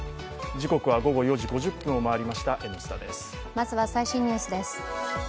まずは最新ニュースです。